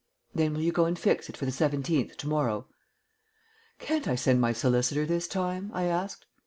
"Then will you go and fix it for the seventeenth to morrow?" "Can't I send my solicitor this time?" I asked.